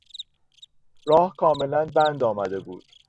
راه کاملا بند آمده بود.